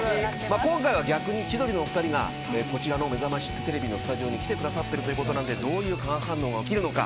今回は逆に千鳥のお２人がこちらのめざましテレビのスタジオに来てくださっているということなんでどういう化学反応が起きるのか